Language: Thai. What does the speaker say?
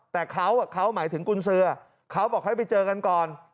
แต่เขาหมายถึงกุญสือเขาบอกให้ไปเจอกันก่อน